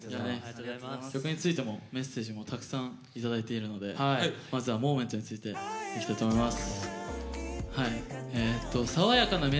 曲についてのメッセージもたくさんいただいているのでまずは「Ｍｏｍｅｎｔ」についていきたいと思います。